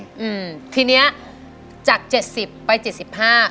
อืมทีเนี้ยจากเจ็ดสิบไปเจ็ดสิบห้า